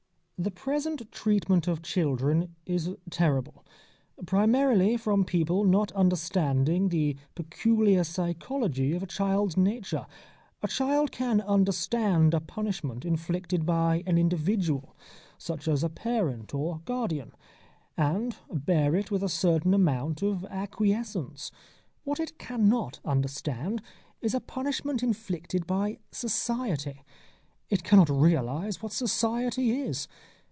The present treatment of children is terrible, primarily from people not understanding the peculiar psychology of a child's nature. A child can understand a punishment inflicted by an individual, such as a parent or guardian, and bear it with a certain amount of acquiescence. What it cannot understand is a punishment inflicted by Society. It cannot realise what Society is.